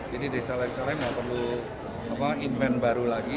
jadi desa desa lain tidak perlu invent baru lagi